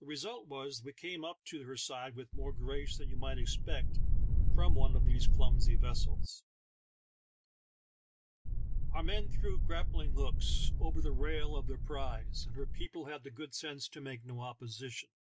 The result was that we came up to her side with more grace than you might expect from one of these clumsy vessels. Our men threw grappling hooks over the rail of their prize, and her people had the good sense to make no opposi tHE TALKING HANDKERCHIEF. 27 tion.